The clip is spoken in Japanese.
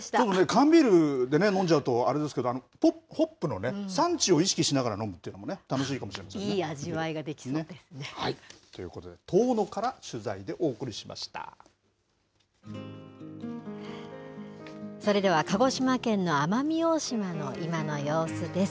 缶ビールで飲んじゃうとあれですけど、ホップのね、産地を意識しながら飲むっていうのも楽しいかもしれませんね。ということで、遠野から取材それでは、鹿児島県の奄美大島の今の様子です。